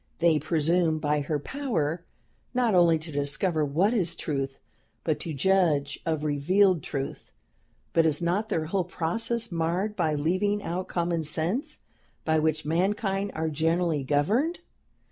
They presume, by her power, not only to discover what is truth, but to judge of revealed truth. But is not their whole process marred by leaving out common sense, by which mankind are generally governed?